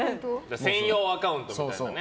専用アカウントみたいなね。